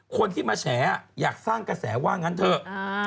คนที่มาแฉอยากสร้างกระแสว่างั้นเถอะ